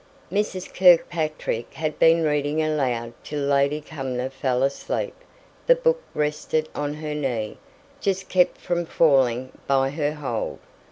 [Illustration (untitled)] Mrs. Kirkpatrick had been reading aloud till Lady Cumnor fell asleep, the book rested on her knee, just kept from falling by her hold.